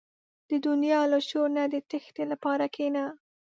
• د دنیا له شور نه د تیښتې لپاره کښېنه.